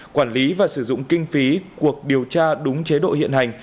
quản lý và sử dụng kinh phí cuộc điều tra đúng chế độ hiện hành